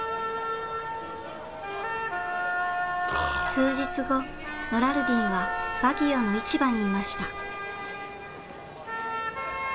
数日後ノラルディンはバギオの市場にいました。